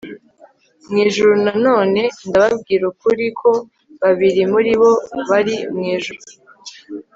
mu ijuru nanone ndababwira ukuri ko babiri muri bo bari mu ijuru